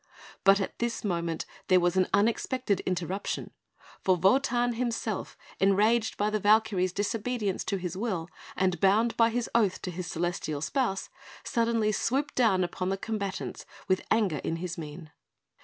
But at this moment there was an unexpected interruption; for Wotan himself, enraged by the Valkyrie's disobedience to his will, and bound by his oath to his celestial spouse, suddenly swooped down upon the combatants, with anger in his mien.